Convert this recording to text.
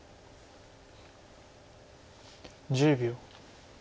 １０秒。